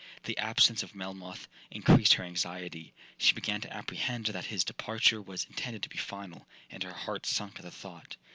The absence of Melmoth increased her anxiety. She began to apprehend that his departure was intended to be final, and her heart sunk at the thought.